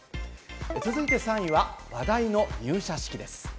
続いて３位は話題の入社式です。